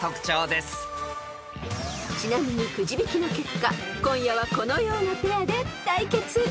［ちなみにくじ引きの結果今夜はこのようなペアで対決］